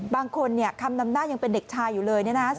บางคนคำนำหน้ายังเป็นเด็กชายอยู่เลยนะ